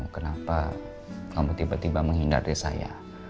kenapa kamu tiba tiba menghindari saya